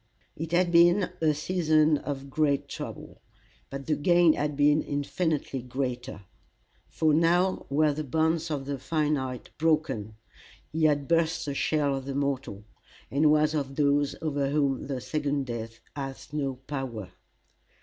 It had been a season of great trouble, but the gain had been infinitely greater; for now were the bonds of the finite broken, he had burst the shell of the mortal, and was of those over whom the second death hath no power.